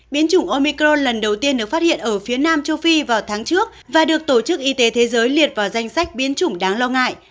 biến chủng omicron lần đầu tiên được phát hiện ở phía nam châu phi vào tháng trước và được tổ chức y tế thế giới liệt vào danh sách biến chủng đáng lo ngại